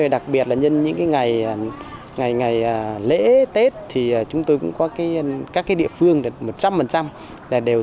đặc biệt là những ngày lễ tết thì chúng tôi cũng có các địa phương một trăm linh đều tổ chức